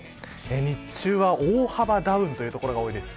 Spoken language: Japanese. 日中は大幅ダウンという所が多いです。